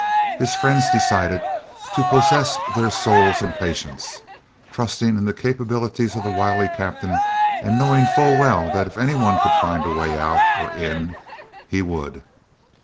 His friends decided to possess their souls in patience, trusting in the capabilities of the wily Captain and knowing full well that if any one could find a way out, or in, he would.